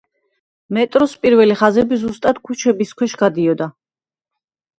მეტროს პირველი ხაზები ზუსტად ქუჩების ქვეშ გადიოდა.